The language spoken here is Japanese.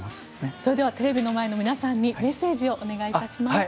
それではテレビの前の皆さんにメッセージをお願いします。